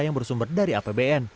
yang bersumber dari apbn